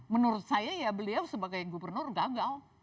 menurut saya ya beliau sebagai gubernur gagal